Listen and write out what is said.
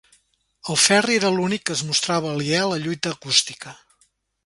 El Ferri era l'únic que es mostrava aliè a la lluita acústica.